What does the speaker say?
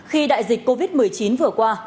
khi đại dịch covid một mươi chín vừa qua